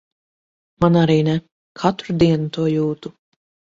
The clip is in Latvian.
Man arī ne. Katru dienu to jūtu.